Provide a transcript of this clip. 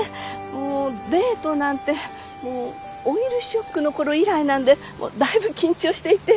もうデートなんてもうオイルショックの頃以来なんでだいぶ緊張していて。